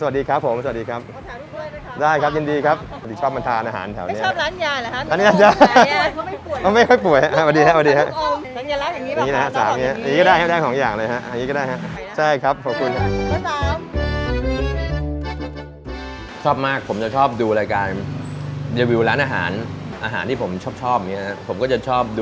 ได้ครับยินดีครับชอบมาทานอาหารแถวนี้ครับ